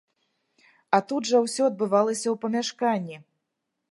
А тут жа ўсё адбывалася ў памяшканні.